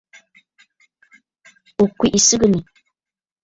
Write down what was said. Ò kwìʼi sɨgɨ̀nə̀.